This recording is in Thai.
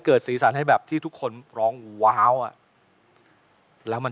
ปิดช่างเลยแล้วกัน